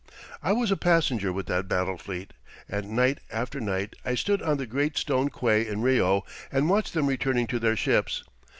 I was a passenger with that battle fleet, and night after night I stood on the great stone quay in Rio and watched them returning to their ships.